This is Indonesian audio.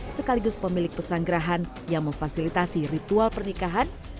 sekaligus pemilik pesanggerahan yang memfasilitasi ritual pernikahan